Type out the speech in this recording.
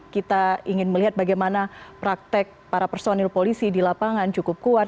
kita ingin melihat bagaimana praktek para personil polisi di lapangan cukup kuat